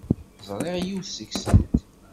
Ẓriɣ yiwet seg-sent.